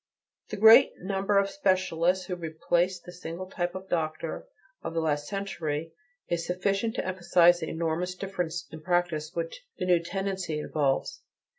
The great number of specialists who replace the single type of doctor of the last century, is sufficient to emphasize the enormous difference in practise which the new tendency involves.